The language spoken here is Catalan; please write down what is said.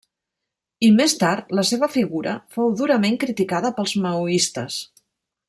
I més tard la seva figura fou durament criticada pels maoistes.